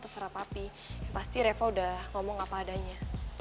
serap api pasti reva udah ngomong apa adanya